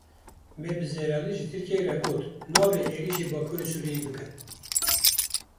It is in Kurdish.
Me bi zelalî ji Tirkiyeyê got nabe êrişî bakûrê Sûriyeyê bikin.